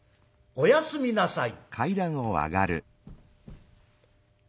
「おやすみなさい。